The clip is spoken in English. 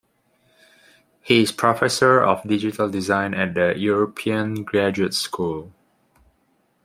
He is Professor of Digital Design at The European Graduate School.